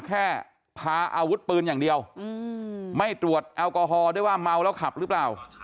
แค่พาอาวุธปืนอย่างเดียวไม่ตรวจแอลกอฮอลด้วยว่าเมาแล้วขับหรือเปล่า